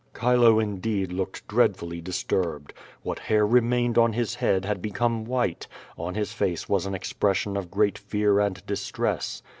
Chile indeed looked dreadfully disturbed. What hair re mained on his head had become white; on his face was an expression of great fear and distress.